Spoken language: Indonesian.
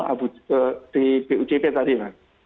di dujp tadi mas